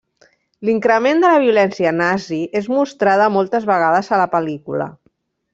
L'increment de la violència nazi és mostrada moltes vegades a la pel·lícula.